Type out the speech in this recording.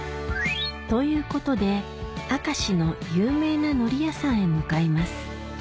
ということで明石の有名な海苔屋さんへ向かいます